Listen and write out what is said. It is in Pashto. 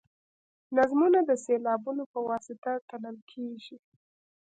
نظمونه د سېلابونو په واسطه تلل کیږي.